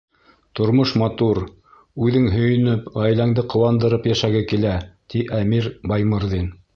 — Тормош матур, үҙең һөйөнөп, ғаиләңде ҡыуандырып йәшәге килә, — ти Әмир Баймырҙин.